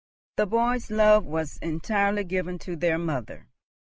The boys' love was entirely given to their mother.